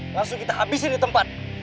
langsung kita habisin di tempat